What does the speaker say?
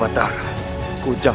aku akan menang